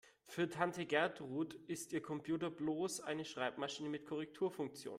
Für Tante Gertrud ist ihr Computer bloß eine Schreibmaschine mit Korrekturfunktion.